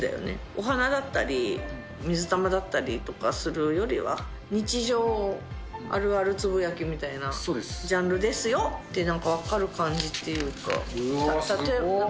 お花だったり、水玉だったりとかするよりは、日常あるあるつぶやきみたいなジャンルですよって、なんか分かるうーわ、すご。